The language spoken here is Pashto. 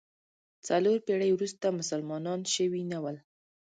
څلور پېړۍ وروسته مسلمانان شوي نه ول.